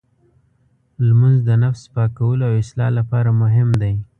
لمونځ د نفس پاکولو او اصلاح لپاره مهم دی.